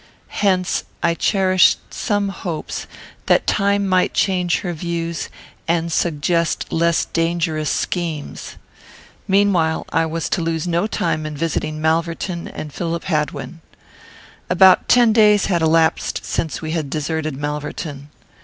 Hence, I cherished some hopes that time might change her views, and suggest less dangerous schemes. Meanwhile, I was to lose no time in visiting Malverton and Philip Hadwin. About ten days had elapsed since we had deserted Malverton.